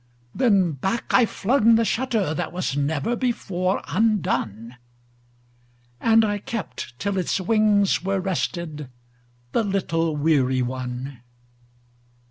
Then back I flung the shutterThat was never before undone, And I kept till its wings were restedThe little weary one.